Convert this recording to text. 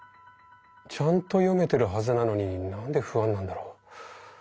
ちゃんと読めてるはずなのに何で不安なんだろう。